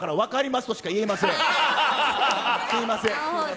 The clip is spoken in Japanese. すみません。